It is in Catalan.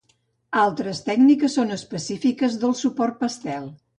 Altres tècniques són específiques del suport pastel.